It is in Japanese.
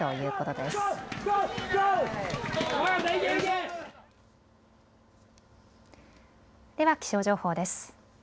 では気象情報です。